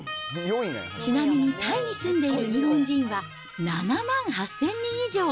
ちなみにタイに住んでいる日本人は７万８０００人以上。